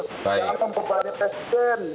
yang memperbaiki presiden